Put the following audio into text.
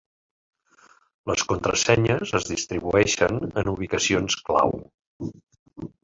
Les contrasenyes es distribueixen en ubicacions clau.